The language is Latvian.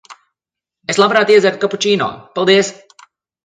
Es labprāt iedzertu kapučīno. Paldies!